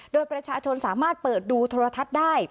โดยประชาชนสามารถเปิดดูโทรทัศน์ได้